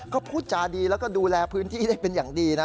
ก็พูดจาดีแล้วก็ดูแลพื้นที่ได้เป็นอย่างดีนะ